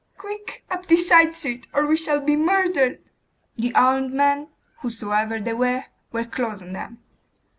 Quick! up this side street, or we shall be murdered!' The armed men, whosoever they were, were close on them.